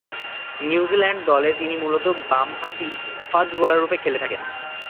New Zealand দলে তিনি মূলতঃ বামহাতি ফাস্ট বোলাররূপে খেলে থাকেন।